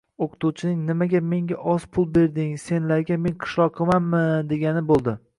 Oʻqituvchining “nimaga menga oz pul berding, senlarga men qishloqimanmi” degani boʻldi.